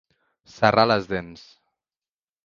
Serrar les dents.